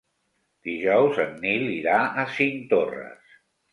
Dijous en Nil irà a Cinctorres.